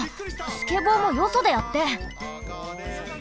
スケボーもよそでやって！